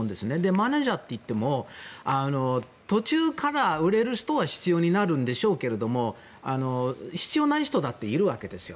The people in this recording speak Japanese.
マネジャーといっても途中から売れる人は必要になるんでしょうけど必要ない人だっているわけですよ。